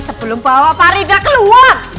sebelum bawa faridah keluar